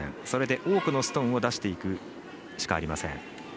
それで多くのストーンを出していくしかありません。